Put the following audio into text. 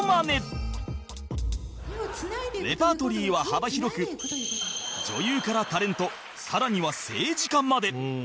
レパートリーは幅広く女優からタレント更には政治家まで